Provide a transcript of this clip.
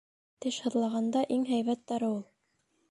Теш һыҙлағанда иң һәйбәт дарыу ул.